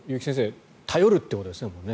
第三者に頼るということですね。